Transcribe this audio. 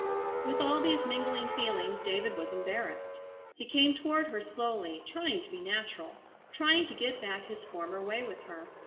With all these mingling feelings David was embarrassed. He came toward her slowly, trying to be natural, trying to get back his former way with her.